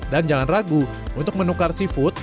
dan jangan ragu untuk menukar seafood